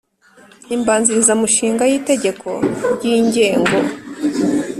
Imbanzirizamushinga y itegeko ry ingengo